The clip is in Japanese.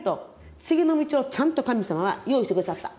次の道をちゃんと神様は用意して下さった。